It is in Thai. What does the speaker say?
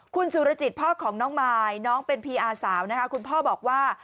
คุณสุรจิตพ่อของน้องมายน้องเป็นพีอาสาวนะคะคุณพ่อบอกว่า